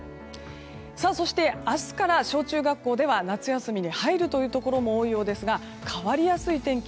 そして、明日から小中学校では夏休みに入るところも多いようですが変わりやすい天気